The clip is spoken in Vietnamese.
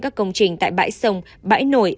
các công trình tại bãi sông bãi nổi